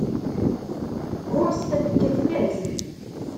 Ɣur-s tafekka tfaz.